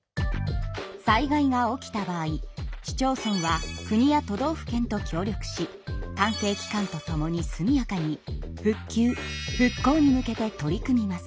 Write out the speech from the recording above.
災害が起きた場合市町村は国や都道府県と協力し関係機関と共に速やかに復旧・復興に向けて取り組みます。